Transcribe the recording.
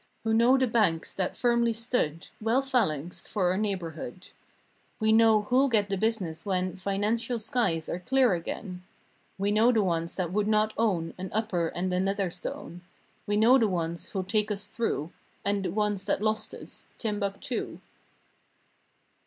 Who know the banks that firmly stood Well phalanxed for our neighborhood. We know who'll get the business when Financial skies are clear again. We know the ones that would not own An upper and a nether stone. We know the ones who'll take us through And the ones that lost us—Timbuctoo.